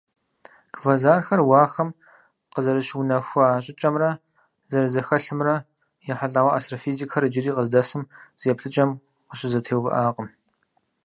Квазархэр уахэм къызэрыщыунэхуа щIыкIэмрэ зэрызэхэлъымрэ ехьэлIауэ астрофизикхэр иджыри къыздэсым зы еплъыкIэм къыщызэтеувыIакъым.